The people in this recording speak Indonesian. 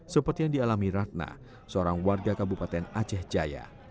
seperti yang dialami ratna seorang warga kabupaten aceh jaya